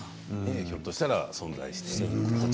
ひょっとしたら存在していたと。